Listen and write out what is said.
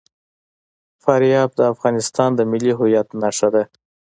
فاریاب د افغانستان د ملي هویت نښه ده.